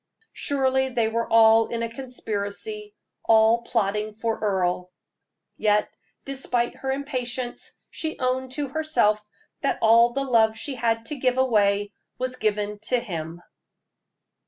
Surely they were all in a conspiracy, all plotting for Earle. Yet, despite her impatience, she owned to herself that all the love she had to give away was given to him.